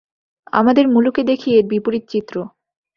আমাদের মুলুকে দেখি এর বিপরীত চিত্র।